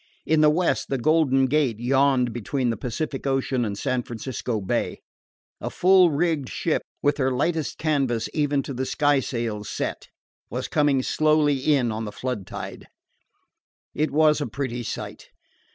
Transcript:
In the west the Golden Gate yawned between the Pacific Ocean and San Francisco Bay. A full rigged ship, with her lightest canvas, even to the sky sails, set, was coming slowly in on the flood tide. It was a pretty sight.